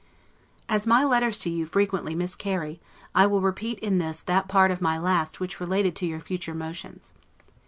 As my letters to you frequently miscarry, I will repeat in this that part of my last which related to your future motions.